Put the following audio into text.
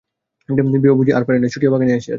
বিভা বুঝি আর পারে নাই, ছুটিয়া বাগানে আসিয়াছে।